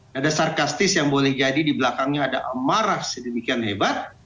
nah ada sarkastis yang boleh jadi di belakangnya ada amarah sedemikian hebat